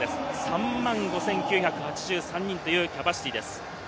３万５９８３人というキャパシティーです。